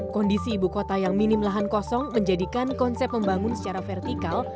kondisi ibu kota yang minim lahan kosong menjadikan konsep membangun secara vertikal